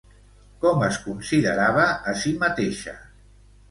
Com es considerava a si mateixa?